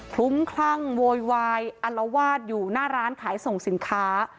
ลุ้มคลั่งโวยวายอัลวาดอยู่หน้าร้านขายส่งสินค้า